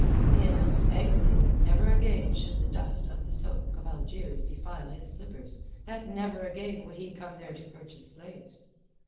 He announced angrily that never again should the dust of the sôk of Algiers defile his slippers, that never again would he come there to purchase slaves.